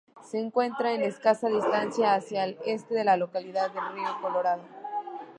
Se encuentra a escasa distancia, hacia el este de la localidad de Río Colorado.